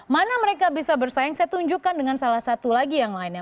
mana mereka bisa bersaing saya tunjukkan dengan salah satu lagi yang lainnya